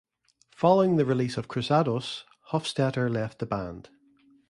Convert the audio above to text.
Following the release of "Cruzados", Hufsteter left the band.